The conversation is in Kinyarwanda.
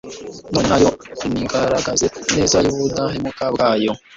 none na yo nigaragaze ineza n'ubudahemuka bwayo